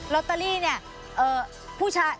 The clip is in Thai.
ลอตเตอรี่เนี่ย